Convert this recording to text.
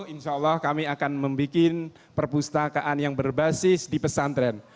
insya allah kami akan membuat perpustakaan yang berbasis di pesantren